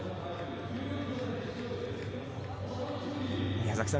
宮崎さん